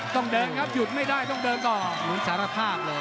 ต้องเดินครับหยุดไม่ได้ต้องเดินต่อ